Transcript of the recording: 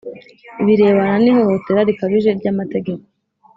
birebana n'ihohotera rikabije ry'amategeko